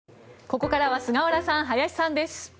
ここからは菅原さん、林さんです。